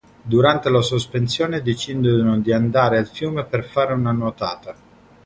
Durante la sospensione decidono di andare al fiume per fare una nuotata.